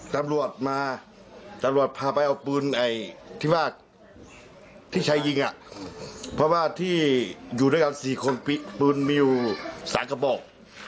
ตำรวจมาตำรวจพาไปเอาปืนไอที่ว่าที่ใช้ยิงอ่ะเพราะว่าที่อยู่ด้วยกับสี่คนปิ๊บปืนมิวสารกระโปรก